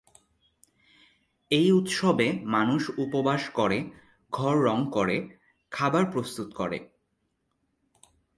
এই উৎসবে মানুষ উপবাস করে, ঘর রং করে, খাবার প্রস্তুত করে।